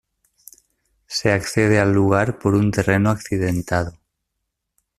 Se accede al lugar por un terreno accidentado.